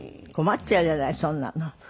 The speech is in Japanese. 困っちゃうじゃないそんなの。